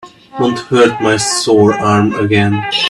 Don't hurt my sore arm again.